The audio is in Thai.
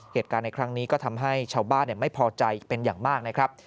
เหตุการณ์ในครั้งนี้ก็ทำให้ชาวบ้านไม่พอใจเป็นอย่างมากนะครับ